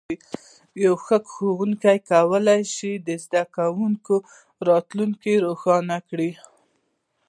یو ښه ښوونکی کولی شي د زده کوونکي راتلونکی روښانه کړي.